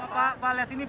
pak pak lihat sini pak